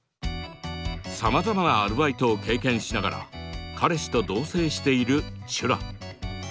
さまざまなアルバイトを経験しながら彼氏と同棲しているちゅら。